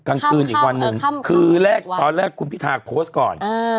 กลางคืนอีกวันหนึ่งคือแรกตอนแรกคุณพิธาโพสต์ก่อน